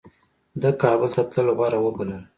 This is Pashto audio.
ده کابل ته تلل غوره وبلل.